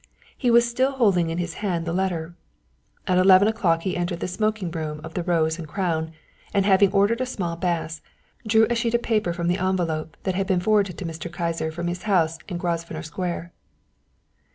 He was still holding in his hand the letter. At eleven o'clock he entered the smoking room of the Rose and Crown, and having ordered a small Bass, drew a sheet of paper from the envelope that had been forwarded to Mr. Kyser from his town house in Grosvenor Square.